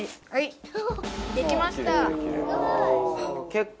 結構。